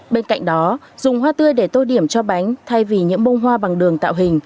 bên cạnh đó dùng hoa tươi để tô điểm cho bánh thay vì những bông hoa bằng đường tạo hình